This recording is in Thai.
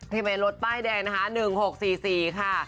ทำไมรถป้ายแดงนะคะ๑๖๔๔ค่ะ